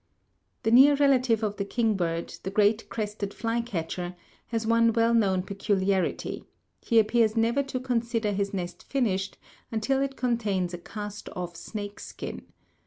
That near relative of the kingbird, the great crested fly catcher, has one well known peculiarity: he appears never to consider his nest finished until it contains a cast off snake skin.